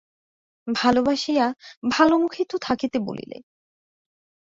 ভালোবাসিয়া ভালো মুখেই তো থাকিতে বলিলে।